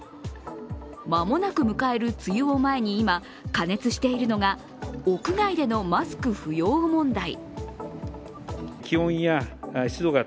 間もなく迎える梅雨を前に、今、過熱しているのが屋外でのマスク不要問題。